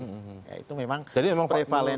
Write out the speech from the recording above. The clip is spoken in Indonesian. ya itu memang prevalensi segala macam